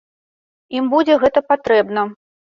Ім будзе гэта патрэбна.